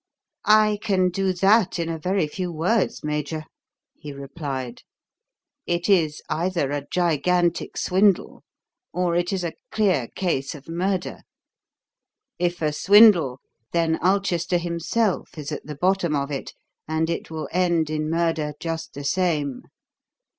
"I can do that in a very few words, Major," he replied. "It is either a gigantic swindle or it is a clear case of murder. If a swindle, then Ulchester himself is at the bottom of it and it will end in murder just the same.